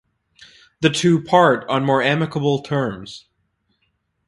The two part on more amicable terms.